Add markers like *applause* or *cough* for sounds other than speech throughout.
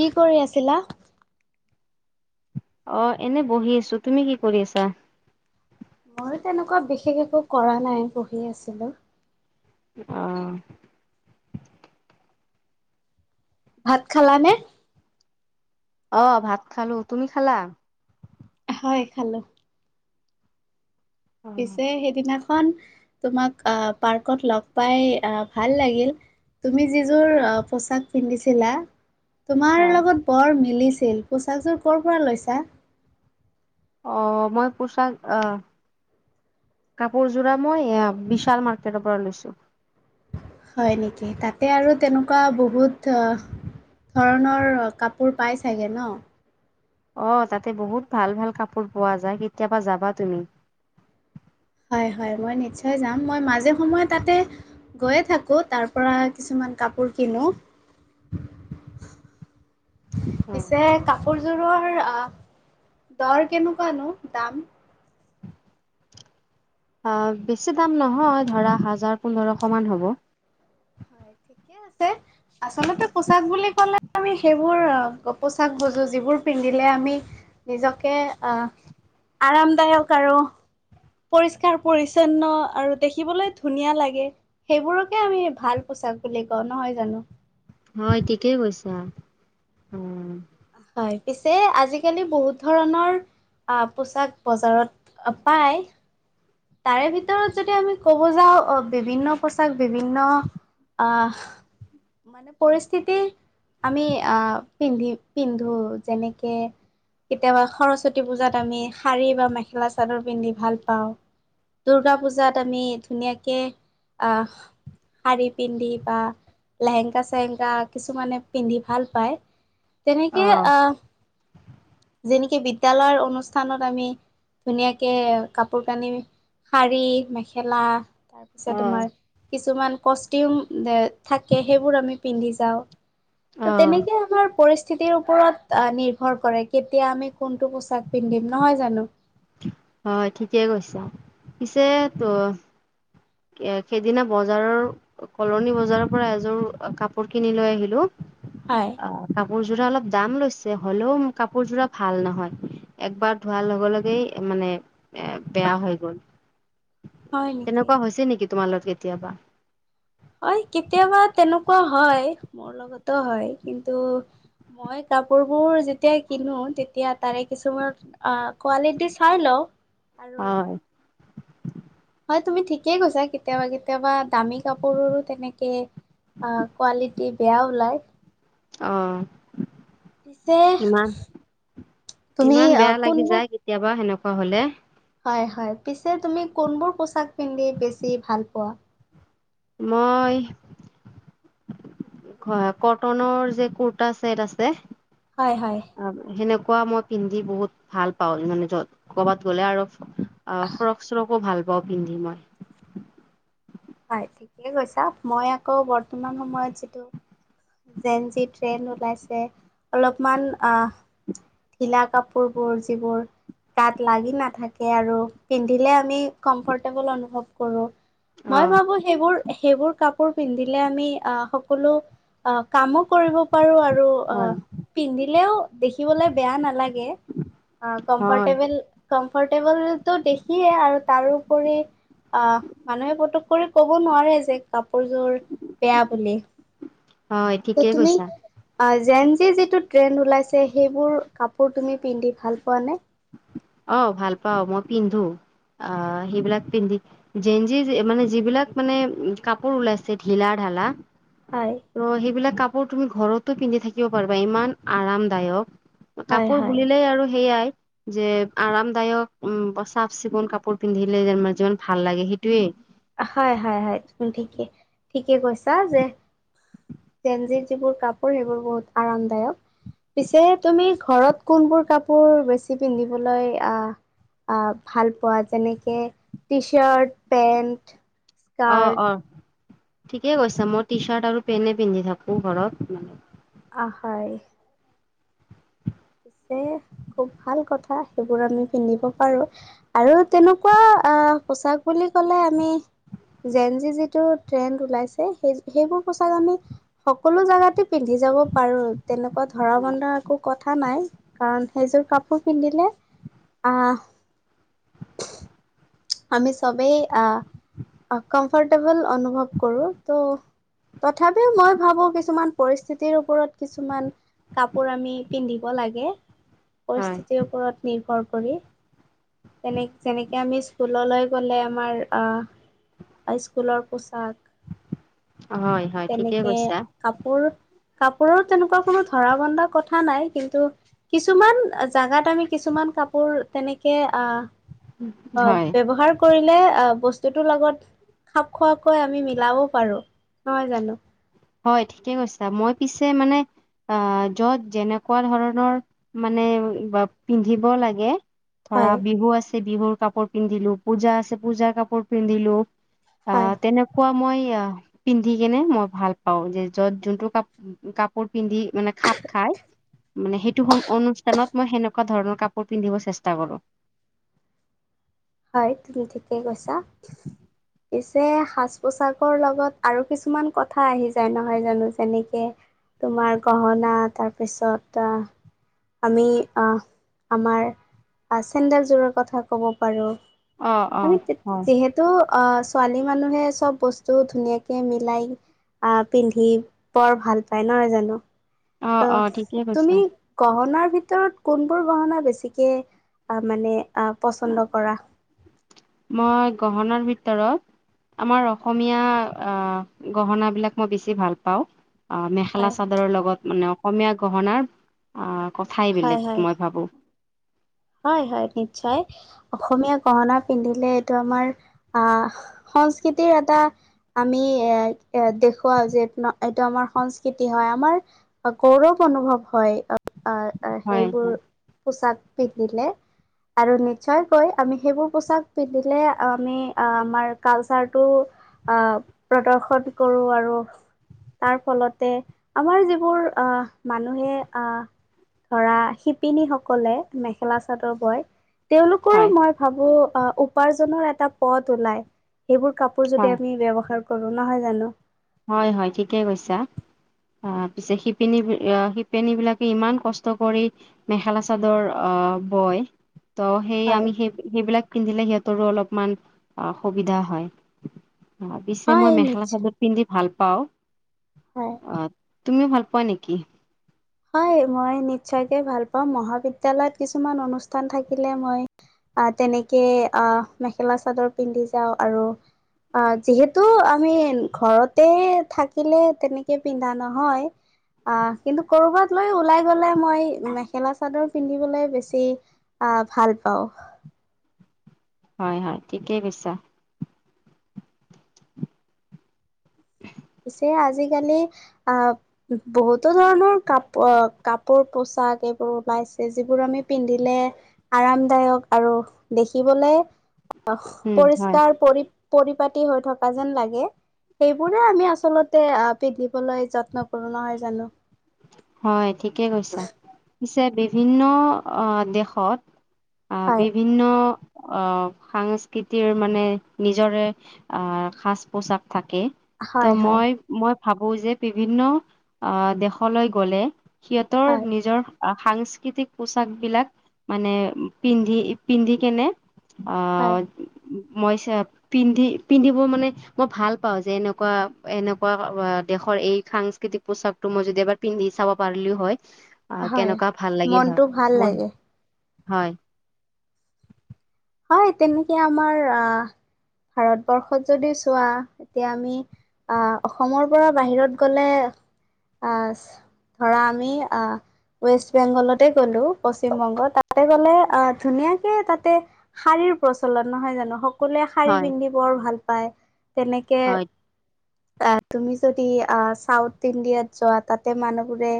কি কৰি আছিলা? অ' এনে বহি আছো তুমি কি কৰি আছা মই তেনেকুৱা বিশেষ একো কৰা নাই পঢ়ি আছিলো অহ ভাত খালা নে? অ' ভাত খালো তুমি খালা হয় খালো অ পিছে সেইদিনাখন তোমাক আহ পাৰ্কত লগ পাই আহ ভাল লাগিল তুমি যিযোৰ পোচাক পিন্ধিছিলা তোমাৰ হয় তোমাক বৰ মিলিছিল পোছাকযোৰ কৰ' পৰা লৈছা। অ' মই পোচাক অহ' কাপোৰযোৰা মই বিশাল মাৰ্কেটৰ পৰা লৈছো হয় নেকি তাতে আৰু তেনেকুৱা বহুত ধৰণৰ কাপোৰ পাই চাগে ন' অ' তাতে বহুত ভাল ভাল কাপোৰ পোৱা যায় কেতিয়াবা যাবা তুমি হয় হয় মই নিশ্চয় যাম মই মাজে সময়ে তাতে গৈয়ে থাকো তাৰ পৰা কিছুমান কাপোৰ কিনো *inaudible* অ পিছে কাপোৰযোৰৰ আহ দৰ কেনেকুৱানো দাম আহ' বেছি দাম নহয় ধৰা হাজাৰ পোন্ধৰশমান হ'ব। হয় ঠিকে আছে। আচলতে পোচাক বুলি কলে আমি সেইবোৰ পোচাক বোজো যিবোৰ পিন্ধিলে আমি নিজকে আহ আৰামদায়ক আৰু পৰিস্কাৰ পৰিচ্ছন্ন আৰু দেখিবলৈ ধুনীয়া লাগে সেইবোৰকে আমি ভাল পোচাক বুলি কও নহয় জানো হয় ঠিকেই কৈছা অহ হয় পিছে আজিকালি বহুত ধৰণৰ আহ পোচাক বজাৰত পায় তাৰে ভিতৰত যদি আমি কব যাও অ', বিভিন্ন পোচাক বিভিন্ন আহ মানে পৰিস্থিতি আমি আহ পিন্ধি পিন্ধো যেনেকে কেতিয়াবা সৰস্বতী পূজাত আমি শাৰী বা মেখেলা চাদৰ পিন্ধি ভাল পাওঁ। দুৰ্গা পূজাত আমি ধুনীয়াকে আহ শাৰী পিন্ধি বা লেহেংকা চেহেংকা কিছুমানে পিন্ধি ভাল পায়। তেনেকে অ আহ যেনেকে বিদ্যালয়ৰ অনুষ্ঠানত আমি ধুনীয়াকে কাপোৰ কানি শাৰী মেখেলা তাৰপিছত তোমাৰ কিছুমান কষ্টিউম থাকে সেইবোৰ আমি পিন্ধি যাওঁ। অ ত তেনেকে আমাৰ পৰিস্থিতিৰ ওপৰত নিৰ্ভৰ কৰে কেতিয়া আমি কোনটো পোচাক পিন্ধিম নহয় জানো। হয় ঠিকে কৈছা পিছে তো। এ সেইদিনা বজাৰৰ কলনী বজাৰৰ পৰা এযোৰ কাপোৰ কিনি লৈ আহিলো। হয়। আ কাপোৰযোৰা অলপ দাম লৈছে, হ'লেও কাপোৰ যোৰা ভাল নহয়। একবাৰ ধোৱাৰ লগে লগেই মানে এই বেয়া হৈ গ'ল। হয় নেকি? তেনেকুৱা হৈছে নেকি তোমাৰ লগত কেতিয়াবা? হয় কেতিয়াবা তেনেকুৱা হয়, মোৰ লগতো হয় কিন্তু মই কাপোৰ বোৰ যেতিয়া কিনো তেতিয়া তাৰে কিছুমান অ', কোৱালিট চাই লও। হয়। হয় তুমি ঠিকেই কৈছা কেতিয়াবা কেতিয়াবা কাপোৰো তেনেকে। অঁ', কোৱালিটি বেয়া ওলাই। অ ছে ইমান তুমি ইমান বেয়া অঁ লাগি কোনবো যায় কেতিয়াবা সেনেকুৱা হ'লে। হয় হয় পিছে তুমি কোনবোৰ পোছাক পিন্ধি বেছি ভাল পোৱা? মই হয় কটনৰ যে কুৰ্তা চছেট আছে। হয় হয় সেনেকুৱা মই পিন্ধি বহুত ভাল পাওঁ, মানে য'ত কবাত গ'লে আৰু অ', ফ্ৰক চ্ৰকো ভাল পাওঁ পিন্ধি মই। হয় ঠিকেই কৈছা, মই আকৌ বৰ্তমান সময়ত যিটো জেন যি ট্ৰেইন ওলাইছে, অলপমান আহ ঢিলা কাপোৰ বোৰ যিবোৰ গাত লাগি নাথাকে আৰু পিন্ধিলে আমি কমফৰ্টেবল অনুভৱ কৰোঁ। অ মই ভাবো সেইবোৰ সেইবোৰ কাপোৰ পিন্ধিলে আমি আহ সকলো অ', কামো কৰিব পাৰো আৰু অ', হয় পিন্ধিলেও দেখিবলৈ বেয়া নালাগে অ', হয় কমফৰটেবল কমফৰ্টেবলটো বেছিয়ে আৰু তাৰোপৰি আহ', মানুহে পটুক কৰি কব নোৱাৰে যে, কাপোৰযোৰ বেয়া বুলি। হয় ত' ঠিকেই তুমি? কৈছা আ জেনজি যিটো ট্ৰেণ্ড ওলাইছে সেইবোৰ কাপোৰ তুমি পিন্ধি ভাল পোৱা নে? অঁ, ভাল পাওঁ, মই পিন্ধো আহ সেইবিলাক পিন্ধি জেঞজি মানে যিবিলাক মানে কাপোৰ ওলাইছে ঢিলা ঢালা হয় ত' সেইবিলাক কাপোৰ তুমি ঘৰতো পিন্ধি থাকিব পাৰিবা, ইমান আৰামদায়ক। হয় কাপোৰ হয়। বুলিলেই আৰু সেইয়াই যে আৰামদায়ক, উম, চাফ-চিকুণ কাপোৰ পিন্ধিলে যেন যিমান ভাল লাগে, সেইটোৱেই। হয়, হয়, হয়। তুমি ঠিকে, ঠিকে কৈছা, যে জেন জিৰ যিবোৰ কাপোৰ, সেইবোৰ বহুত আৰামদায়ক। পিছে, তুমি ঘৰত কোনবোৰ কাপোৰ বেছি পিন্ধিবলৈ আ আ, ভাল পোৱা যেনেকে টি চাৰ্ট, পেন্ট অ, অ। স্কাৰ্ট ঠিকে কৈছা, মই টি চাৰ্ট আৰু পেণেই পিন্ধি থাকোঁ ঘৰত। আ, হয়। পিছে খুব ভাল কথা, সেইবোৰ আমি পিন্ধিব পাৰোঁ। আৰু তেনোকুৱা আহ, পোছাক বুলি ক'লে আমি জেন জি যিটো ট্ৰেণ্ড ওলাইছে, সেই সেইবোৰ পোছাক আমি সকলো জাগাতে পিন্ধি যাব পাৰোঁ, তেনেকুৱা ধৰা বন্ধাৰ আকো ক'ত থা নাই, কাৰণ সেইযোৰ কাপোৰ পিন্ধিলে, আহ আমি চবেই আ, আ কমফৰ্টেবল অনুভৱ কৰোঁ, ত তথাপিও মই ভাবোঁ কিছুমান পৰিস্থিতিৰ ওপৰত, কিছুমান কাপোৰ আমি পিন্ধিব লাগে। হয় পৰিস্থিতিৰ ওপৰত নিৰ্ভৰ কৰি তেনে যেনেকে আমি স্ক স্কুললৈ গ'লে আমাৰ আ, স্কুলৰ পোছাক হয় হয় ঠিকেই তেনেকে কৈছা কাপোৰ কাপোৰৰ তেনেকুৱা কোনো ধৰা বন্ধা কথা নাই কিন্তু, কিছুমান জাগাত আমি কিছুমান কাপোৰ তেনেকে আ অ, হয় ব্যৱহাৰ কৰিলে আ বস্তুটোৰ লগত খাপ খোৱাকৈ আমি মিলাব পাৰোঁ, নহয় জানো হয়, ঠিকে কৈছা মই পিছে মানে আ, য'ত যেনেকুৱা ধৰণৰ মানে বা পিন্ধিব লাগে ধৰা, হয় বিহু আছে বিহুৰ কাপোৰ পিন্ধিলোঁ, পূজা আছে পূজাৰ কাপোৰ পিন্ধিলোঁ। আ, হয় তেনেকুৱা মই আহ পিন্ধি কেনে মই ভাল পাওঁ যে য'ত যোনটো কাপ কাপোৰ পিন্ধি মানে খাপ খাই মানে সেইটো সম অনুষ্ঠানত মই সেনেকুৱা ধৰণৰ কাপোৰ পিন্ধিব চেষ্টা কৰোঁ। হয়, তুমি ঠিকেই কৈছা। *inaudible* পিছে, সাজ-পোছাকৰ লগত আৰু কিছুমান কথা আহি যায়, নহয় জানো যেনেকে তোমাৰ গহনা, তাৰপিছত আহ আমি আহ আমাৰ আ চেণ্ডেলযোৰৰ কথা ক'ব পাৰোঁ, অ অ আমি তেত হয় যিহেত তো অ, ছোৱালী মানুহে চব বস্তু ধুনীয়াকে মিলাই আ, পিন্ধি বৰ ভাল পায়, নহয় জানো অ ত, অ ঠিকেই কৈছা তুমি গহণাৰ ভিতৰত, কোনবোৰ গহণা বেছিকে আ মানে আ পচন্দ কৰা মই গহণাৰ ভিতৰত আমাৰ অসমীয়া আ গহণা বিলাক মই বেছি ভাল পাওঁ। আ, হয় মেখেলা-চাদৰৰ লগত মানে, অসমীয়া গহণাৰ আ কথাই হয় হয় বেলেগ মই ভাবোঁ। হয়, হয়, নিশ্চয়। অসমীয়া গহণা পিন্ধিলে, এইটো আমাৰ আহ সংস্কৃতিৰ এটা আমি এয়াই এ দেখুৱাও যে, এইটো আমাৰ সংস্কৃতি হয় আমাৰ গৌৰৱ অনুভৱ হয়, অ, আ আ হয় সেইবোৰ হয় পোছাক পিন্ধিলে আৰু নিশ্চয়কৈ আমি সেইবোৰ পোছাক পিন্ধিলে, আমি আ আমাৰ কালচাৰটো আ প্ৰদৰ্শন কৰোঁ আৰু তাৰ ফলতে আমাৰ যিবোৰ আহ মানুহে আ ধৰা শিপিনী সকলে মেখেলা চাদৰ বয় তেওঁলোক হয়। মই ভাবো আ উপাৰ্জনৰ এটা পথ ওলাই এইবোৰ কাপোৰ যদি হয় আমি ব্যৱহাৰ কৰোঁ নহয় জানো হয় হয় ঠিকে কৈছা। অ পিছে শিপিনী বি অ শিপিনী বিলাকে ইমান কষ্ট কৰি মেখেলা চাদৰ অ বয়। ত সেই হয় আমি সেই সেইবিলাক পিন্ধিলে সিহঁতৰো অলপমান সুবিধা হয়। অ পিছে মই হয় মেখেলা নিশ্চয় চাদৰ পিন্ধি ভালপাওঁ হয়। আত তুমিও ভাল পোৱা নেকি? হয় মই নিশ্চয়কে ভাল পাওঁ, মহাবিদ্যালয়ত কিছুমান অনুষ্ঠান থাকিলে মই আহ, তেনেকে আহ, মেখেলা চাদৰ পিন্ধি যাওঁ আৰু আ, যিহেতু আমি ঘৰতে থাকিলে তেনেকে পিন্ধা নহয়। আহ, কিন্তু ক'ৰবাত লৈ ওলাই গ'লে মই মেখেলা চাদৰ পিন্ধিবলৈ বেছি আহ, ভাল পাওঁ। হয় হয়, ঠিকেই কৈছা। *inaudible* পিছে আজিকালি আহ বহুতো ধৰণৰ কাপ কাপোৰ পোচাক এইবোৰ ওলাইছে যিবোৰ আমি পিন্ধিলে আৰামদায়ক আৰু দেখিবলে আহ, উম হয়। পৰিষ্কাৰ পৰি-পৰিপাতি হৈ থকা যেন লাগে সেইবোৰে আমি আচলতে আ, পিন্ধিবলৈ যত্ন কৰোঁ নহয় জানো? হয় ঠিকেই কৈছা। পিছে বিভিন্ন আহ, দেশত আ, হয়। বিভিন্ন আহ, সাংস্কৃতিৰ মানে নিজৰে আহ, সাজ পোচাক থাকে। ত' হয় হয় মই মই ভাবোঁ যে বিভিন্ন আ, দেশলৈ গ'লে সিহঁতৰ হয় নিজৰ সাংস্কৃতিক পোচাকবিলাক মানে পিন্ধি পিন্ধি কেনে হয় আহ, মই চা পিন্ধি পিন্ধিব মানে মই ভাল পাওঁ যে এনেকুৱা এনেকুৱা দেশৰ এই সাংস্কৃতিক পোচাকটো মই যদি এবাৰ পিন্ধি চাব পাৰিলোঁ হয় আ, হয় কেনেকুৱা ভাল লাগিল হয় মনটো ভাল মই, লাগে হয়। হয় তেনেকে আমাৰ আ, ভাৰতবৰ্ষত যদি চোৱা এতিয়া আমি আ, অসমৰ পৰা বাহিৰত গ'লে আছ ধৰা আমি আ ৱেষ্ট বেংগলতে গ'লোঁ পশ্চিমবংগ, তাতে গ'লে ধুনীয়াকে তাতে শাৰীৰ প্ৰচলন নহয় জানো, সকলোৱে শাৰী হয়, পিন্ধি বৰ ভালপায় তেনেকে হয়, আহ, তুমি যদি আহ, চাউথ ইণ্ডিয়াত যোৱা তাতে মানুহবোৰে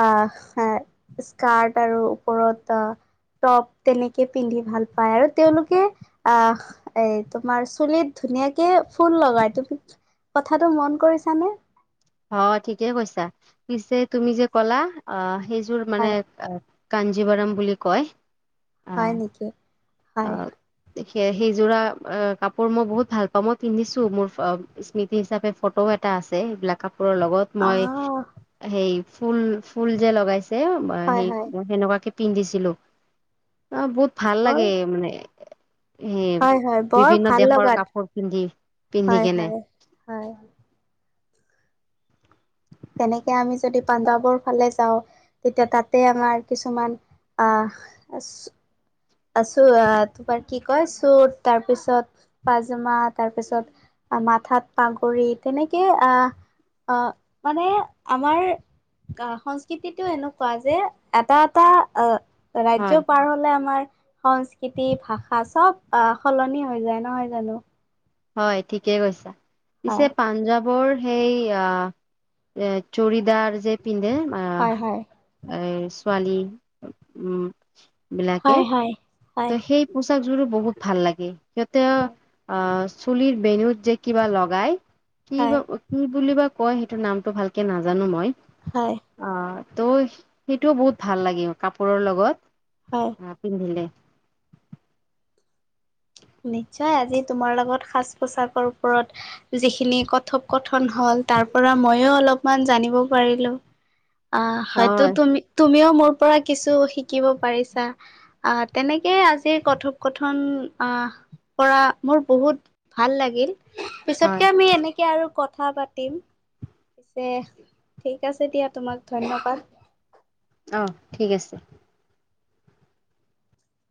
আহ, হে, স্কাৰ্ট আৰু ওপৰত টপ তেনেকে পিন্ধি ভালপায় আৰু তেওঁলোকে আহ এ, তোমাৰ চুলিত ধুনীয়াকে ফুল লগাই তুমি কথাটো মন কৰিছানে? অ' ঠিকেই কৈছা। পিছে তুমি যে ক'লা অ' সেইযোৰ মানে হয় কাঞ্জীবাৰম বুলি কয়। হয় অ' নেকি, হয়। অ' সেইযোৰা অ' কাপোৰ মই বহুত ভালপাওঁ, মই পিন্ধিছোঁ মোৰ স্মৃতি হিচাপে ফটো এট এটা আছে সেইবিলাক কাপোৰৰ লগত মই আহ হেই ফুল ফুল যে লগাইছে হয় সেই হয় সেনেকুৱাকে পিন্ধিছিলোঁ। আ, বহুত ভাল বৰ লাগে মানে। এ, হয় হয় বৰ বিভিন্ন ভাল দেশৰ লগাত কাপোৰ পিন্ধি, পিন্ধি হয় কেনে। হয় হয়। তেনেকে আমি যদি পাঞ্জাৱৰ ফালে যাওঁ তেতিয়া তাতে আমাৰ কিছুমান আহ আছোঁ আ, তোমাৰ কি কয় চুট তাৰপিছত পাইজামা তাৰপিছত মাথাত পাগৰি তেনেকে আহ আ, মানে আমাৰ গা সংস্কৃতিটো এনেকুৱা যে এটা এটা আহ হয়। ৰাজ্য পাৰ হ'লে আমাৰ সংস্কৃতি ভাষা চব আহ সলনি হৈ যায় নহয় জানো? হয় ঠিকে কৈছা। পিছে হয় পাঞ্জৱ বৰ হেই আহ এ চৰিদাৰ যে পিন্ধে হয় হয় এই ছোৱালী উম। বিলাকে হয়, হয়। ত হয় সেই পোচাকজোৰো বহুত ভাল লাগে। সিহঁতে হয় আহ চুলিৰ বেনুত যে কিবা লগাই কি বা হয় কি বুলিবা কয় সেইটো নামটো ভালকে নাজানো মই। হয়। অ', ত' সেইটোও বহুত ভাল লাগে কাপোৰৰ লগত। হয়। অ', পিন্ধিলে নিশ্চয় আজি তোমাৰ লগত সাজ-পোছাকৰ ওপৰত যিখিনি কথন হ'ল তাৰ পৰা ময়ো অলপমান জানিব পাৰিলো। অ', হয়তো হয় তুমি তুমিও মোৰ পৰা কিছু শিকিব পাৰিছা। আ তেনেকে আজি কথোপ কথন আ কৰা মোৰ বহুত ভাল লাগিল। হয় পিছতকে আমি এনেকে আৰু কথা পাতিম। দে ঠিক আছে দিয়া তোমাক ধন্যবাদ। অ' ঠিক আছে।